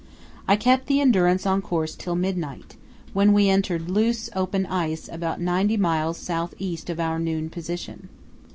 I kept the Endurance on the course till midnight, when we entered loose open ice about ninety miles south east of our noon position.